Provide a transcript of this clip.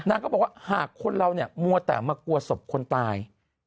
ก็บอกว่าหากคนเราเนี่ยมัวแต่มากลัวศพคนตาย